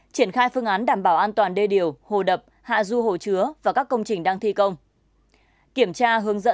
triển khai phương án đảm bảo an toàn đê điều hồ đập hạ du hồ chứa và các công trình đang thi công